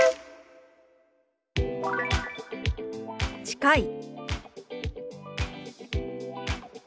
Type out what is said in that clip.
「近い」。